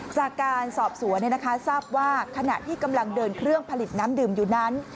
จากการสอบสวนทราบว่าขณะที่กำลังเดินเครื่องผลิตน้ำดื่มอยู่นั้น